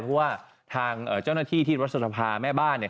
เพราะว่าทางเจ้าหน้าที่ที่รัฐสภาแม่บ้าน